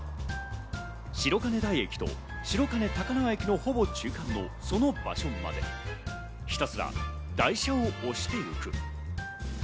白金台駅と白金高輪駅のほぼ中間のその場所にまで、ひたすら台車を押していく。